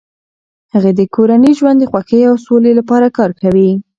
هغې د کورني ژوند د خوښۍ او سولې لپاره کار کوي.